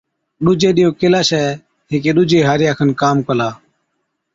ڏُوجي ڏِيئو ڪيلاشَي هيڪي ڏُوجي هارِيئا کن ڪام ڪلا،